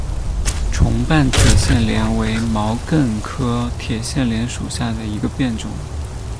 重瓣铁线莲为毛茛科铁线莲属下的一个变种。